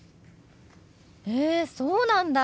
へえそうなんだ。